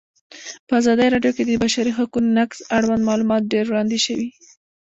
په ازادي راډیو کې د د بشري حقونو نقض اړوند معلومات ډېر وړاندې شوي.